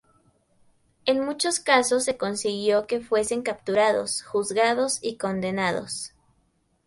En muchos casos se consiguió que fuesen capturados, juzgados y condenados.